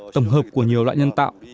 tổng hợp của nhiều loại nhân tạo